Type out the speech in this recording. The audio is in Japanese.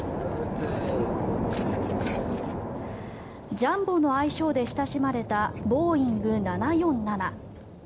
ジャンボの愛称で親しまれたボーイング７４７。